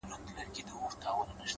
زه نو بيا څنگه مخ در واړومه؛